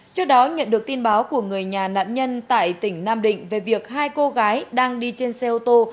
trước đó nhận được tin báo của người nhà nạn nhân tại tỉnh nam định về việc hai cô gái đang đi trên xe ô tô